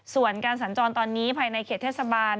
ส่วนการสัญจรตอนนี้ภายในเขตเทศบาล